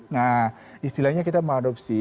nah istilahnya kita mengadopsi